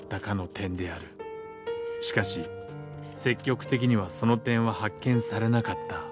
しかし積極的にはその点は発見されなかった。